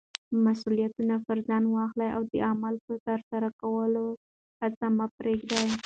مسولیتونه پر ځان واخله او د عمل په ترسره کولو کې هڅه مه پریږده.